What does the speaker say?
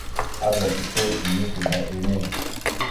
Azaɗ etew enikwada enne.